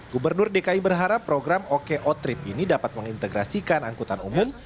gubernur dki berharap program oko trip ini dapat mengintegrasikan angkutan umum